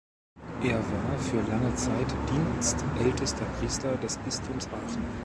Er war für lange Zeit dienstältester Priester des Bistums Aachen.